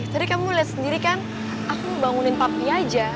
tadi kamu liat sendiri kan aku bangunin papi aja